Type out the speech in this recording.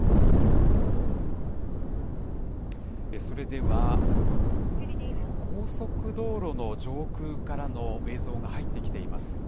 それでは、高速道路の上空からの映像が入ってきています。